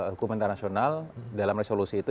hukum internasional dalam resolusi itu